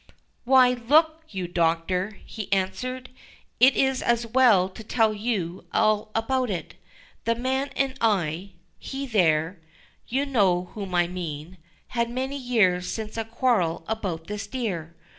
"Why, look you, Doctor," he answered, "it is as well to tell you all about it. The man and I—he there—you know whom I mean—had many years since a quarrel about this deer.